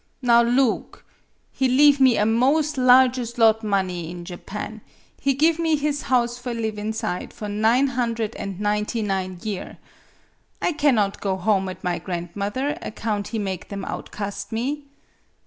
Now loog! He leave me a 'mos' largest lot money in Japan; he give me his house for live inside for nine hundred an' ninety nine year. I cannot go home at my grandmother, account he make them outcast me.